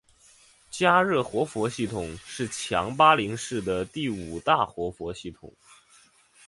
嘉热活佛系统是强巴林寺的第五大活佛系统。